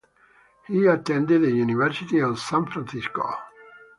He attended the University of San Francisco.